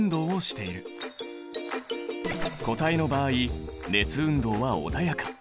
固体の場合熱運動は穏やか。